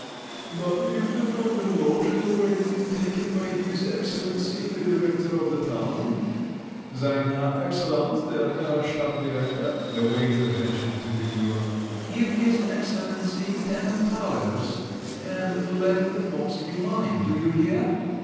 "But if the Fremden Loge has been already taken by his excellency, the director of the town (seine Excellenz der Herr Stadt Director)," the waiter ventured to demur. "Give his excellency ten thalers, and let the box be mine! Do you hear!"